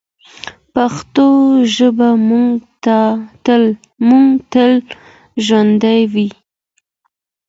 پښتو ژبه مو تل ژوندۍ وي.